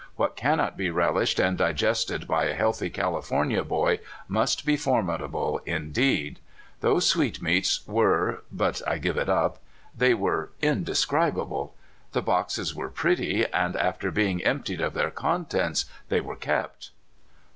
What cannot be rel ished and digested by a healthy California boy must be formidable indeed. Those sweetmeats were but I give it up, they were indescribable! The boxes were pretty, and, after being emptied of their contents, they were kept.